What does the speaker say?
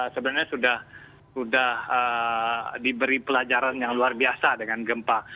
sebenarnya sudah diberi pelajaran yang luar biasa dengan gempa